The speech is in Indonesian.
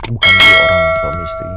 bukan dia orang suami istri ini